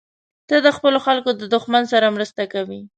ته د خپلو خلکو له دښمن سره مرسته کوې.